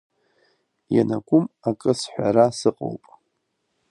Ианакәым акы сҳәара сыҟоуп…